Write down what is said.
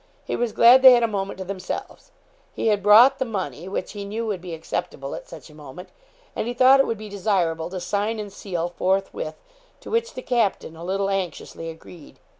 He was glad they had a moment to themselves. He had brought the money, which he knew would be acceptable at such a moment, and he thought it would be desirable to sign and seal forthwith, to which the captain, a little anxiously, agreed.